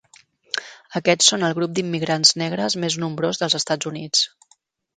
Aquests són el grup d'immigrants negres més nombrós dels Estats Units.